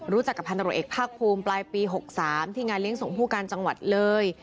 รู้จักกับพันตรวจเอกภาคภูมิปลายปี๖๓ที่งานเลี้ยส่งผู้การจังหวัดเลย